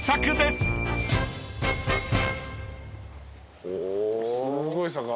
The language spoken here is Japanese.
すごい坂。